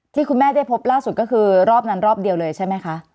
ที่คุณแม่ได้พบล่าสุดก็คือรอบนั้นรอบเดียวเลยใช่ไหมคะ